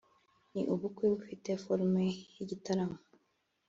ni ubukwe bufite forme y’igitaramo